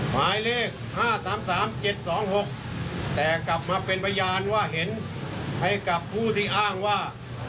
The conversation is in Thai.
หมายเลข๕๓๓๗๒๖แต่กลับมาเป็นพยานว่าเห็นให้กับผู้ที่อ้างว่า